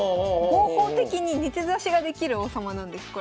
合法的に二手指しができる王様なんですこれ。